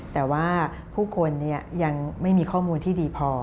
แต่ว่าผู้คนยังไม่มีข้อมูลที่ดีพอ